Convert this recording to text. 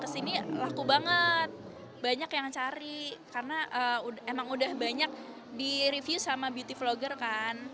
kesini laku banget banyak yang cari karena emang udah banyak di review sama beauty vlogger kan